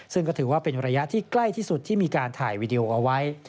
ซึ่งก็ถือว่าเป็นระยะที่ใกล้ที่สุดที่มีการถ่ายวีดีโอเอาไว้